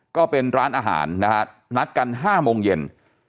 ก็เป็นร้านอาหารนะฮะนัดกัน๕โมงเย็น